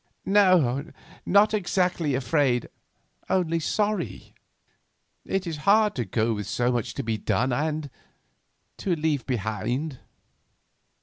"No, not exactly afraid, only sorry; it is hard to go with so much to be done, and—to leave behind."